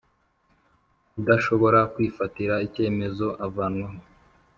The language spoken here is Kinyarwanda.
udashobora kwifatira icyemezo avanwamo.